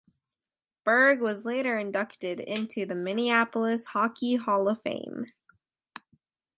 Burg was later inducted into the Minneapolis Hockey Hall of Fame.